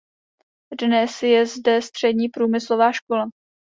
Dnes je zde Střední průmyslová škola.